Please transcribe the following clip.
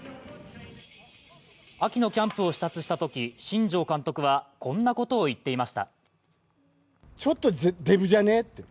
秋のキャンプを視察したとき新庄監督はこんなことを言っていました。